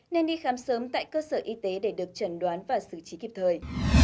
nên đi khám sớm tại cơ sở y tế để được trần đoán và xử trí kịp thời